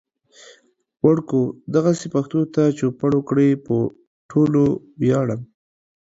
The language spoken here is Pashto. وړکو دغسې پښتو ته چوپړ وکړئ. پو ټولو وياړم